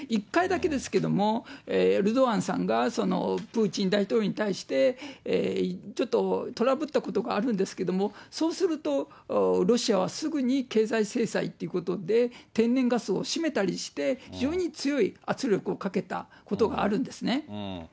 １回だけですけども、エルドアンさんが、プーチン大統領に対してちょっとトラブったことがあるんですけども、そうすると、ロシアはすぐに経済制裁ということで、天然ガスをしめたりして、非常に強い圧力をかけたことがあるんですね。